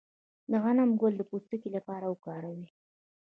د غنم ګل د پوستکي لپاره وکاروئ